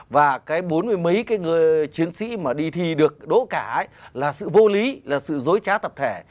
và cái bốn mươi mấy cái người chiến sĩ mà đi thi được đố cả là sự vô lý là sự dối trá tập thể